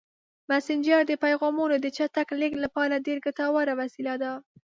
مسېنجر د پیغامونو د چټک لیږد لپاره ډېره ګټوره وسیله ده.